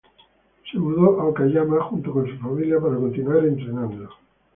Se mudó a Okayama junto con su familia para continuar entrenando.